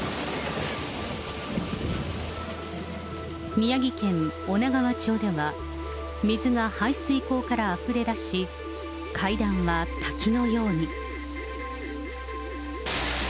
宮城県女川町では、水が排水溝からあふれ出し、階段は滝のように。